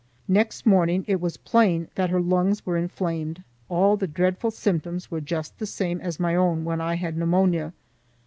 Next morning it was plain that her lungs were inflamed; all the dreadful symptoms were just the same as my own when I had pneumonia.